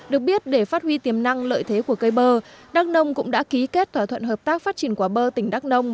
được biết để phát huy tiềm năng lợi thế của cây bơ đắk nông cũng đã ký kết thỏa thuận hợp tác phát triển quả bơ tỉnh đắk nông